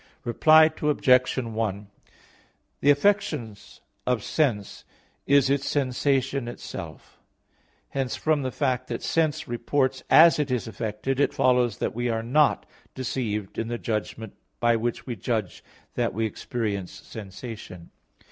Reply Obj. 1: The affection of sense is its sensation itself. Hence, from the fact that sense reports as it is affected, it follows that we are not deceived in the judgment by which we judge that we experience sensation.